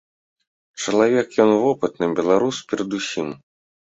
Чалавек ён вопытны, беларус перадусім.